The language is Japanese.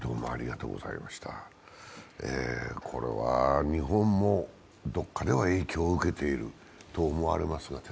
これは日本もどこかでは影響を受けていると思われますが。